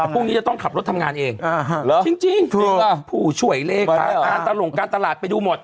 พรุ่งนี้จะต้องขับรถทำงานเองจริงผู้ช่วยเลขาการตลงการตลาดไปดูหมด